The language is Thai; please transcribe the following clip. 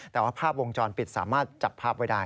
แต่ว่าภาพวงจรปิดสามารถจับภาพไว้ได้